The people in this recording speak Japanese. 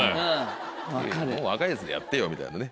若いヤツでやってよみたいなね。